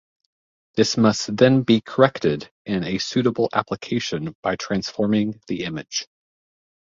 This must then be corrected in a suitable application by transforming the image.